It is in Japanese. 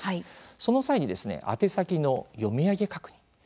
その際に宛先の読み上げ確認